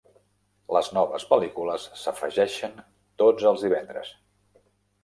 Les noves pel·lícules s'afegeixen tots els divendres.